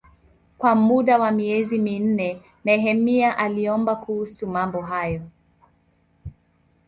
Kwa muda wa miezi minne Nehemia aliomba kuhusu mambo hayo.